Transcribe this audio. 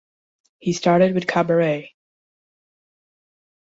He started with cabaret.